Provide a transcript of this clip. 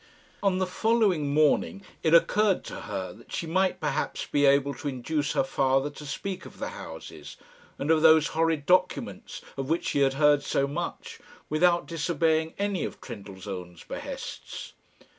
On the following morning it occurred to her that she might perhaps be able to induce her father to speak of the houses, and of those horrid documents of which she had heard so much, without disobeying any of Trendellsohn's behests.